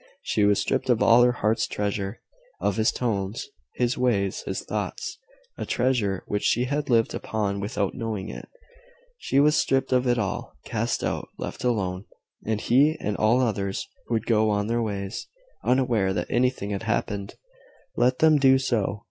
She was stripped of all her heart's treasure, of his tones, his ways, his thoughts, a treasure which she had lived upon without knowing it; she was stripped of it all cast out left alone and he and all others would go on their ways, unaware that anything had happened! Let them do so.